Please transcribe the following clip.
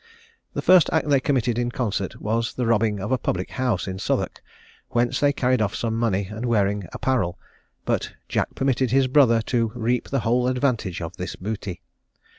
The first act they committed in concert was the robbing of a public house in Southwark, whence they carried off some money and wearing apparel; but Jack permitted his brother to reap the whole advantage of this booty.